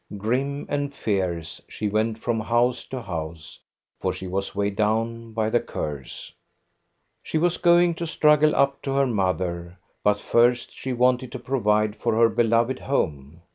Grim and fierce, she went from house to house, for she was weighed down by the curse. She was going to struggle up to her mother, but first she wanted to provide for her beloved home.